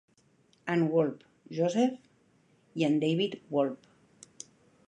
En Wolpe, Joseph i en David Wolpe.